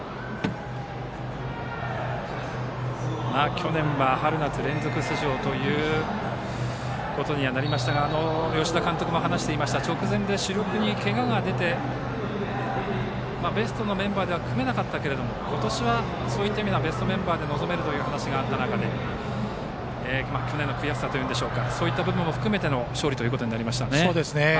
去年は春夏連続出場ということになりましたが吉田監督も話していましたが直前で、主力にけがが出てベストのメンバーでは組めなかったけれども今年はそういった意味ではベストメンバーで臨めるという話があった中で去年の悔しさといいましょうかそういった部分も含めての勝利となりましたね。